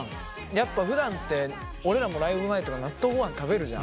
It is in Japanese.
やっぱふだんって俺らもライブ前とか納豆ごはん食べるじゃん。